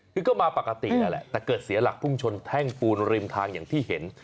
คือก็มาปกตินั่นแหละแต่เกิดเสียหลักพุ่งชนแท่งปูนริมทางอย่างที่เห็น